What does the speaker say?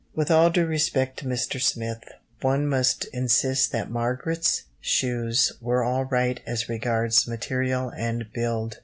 With all due respect to Mr. Smith, one must insist that Margaret's shoes were all right as regards material and build.